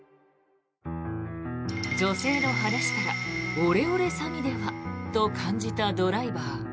女性の話からオレオレ詐欺では？と感じたドライバー。